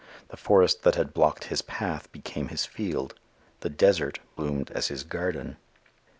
The forest that had blocked his path became his field. The desert blossomed as his garden.